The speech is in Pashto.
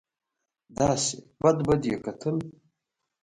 داسې بد بد به یې کتل.